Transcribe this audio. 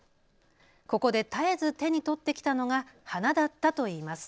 ここで絶えず手に取ってきたのが花だったといいます。